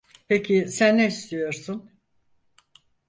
Peki sen ne istiyorsun?